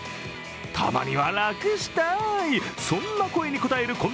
たまには楽したい、そんな声に応える